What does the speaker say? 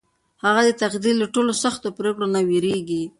هغه د تقدیر له ټولو سختو پرېکړو نه وېرېږي.